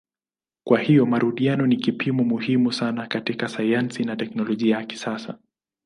Kwa hiyo marudio ni kipimo muhimu sana katika sayansi na teknolojia ya kisasa.